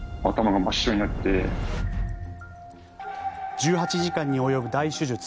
１８時間に及ぶ大手術。